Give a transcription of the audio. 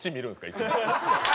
いつも。